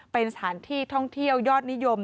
เป็นสถานที่ท่องเที่ยวยอดนิยม